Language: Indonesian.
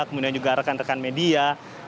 kemudian juga rekan rekan media